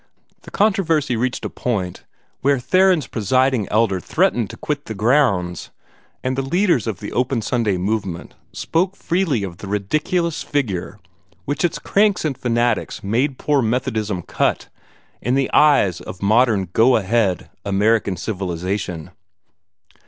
The controversy reached a point where Theron's Presiding Elder threatened to quit the grounds, and the leaders of the open Sunday movement spoke freely of the ridiculous figure which its cranks and fanatics made poor Methodism cut in the eyes of modern go ahead American civilization.